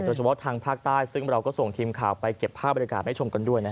เฉพาะทางภาคใต้ซึ่งเราก็ส่งทีมข่าวไปเก็บภาพบริการให้ชมกันด้วย